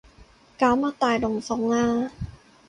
搞乜大龍鳳啊